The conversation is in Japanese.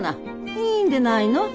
いいんでないの？